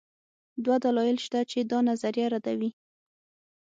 دوه دلایل شته چې دا نظریه ردوي